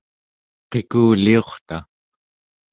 qikuliurta